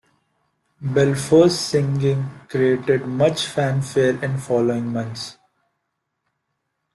Belfour's signing created much fanfare in the following months.